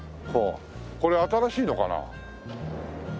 これ新しいのかな？